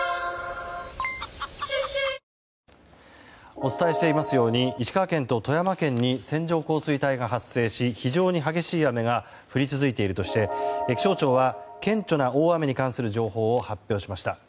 お伝えしていますように石川県と富山県に線状降水帯が発生し非常に激しい雨が降り続いているとして気象庁は顕著な大雨に関する情報を発表しました。